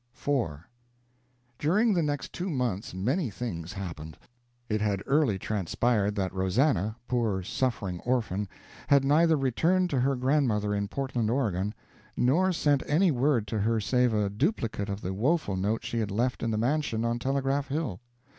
IV During the next two months many things happened. It had early transpired that Rosannah, poor suffering orphan, had neither returned to her grandmother in Portland, Oregon, nor sent any word to her save a duplicate of the woeful note she had left in the mansion on Telegraph Hill.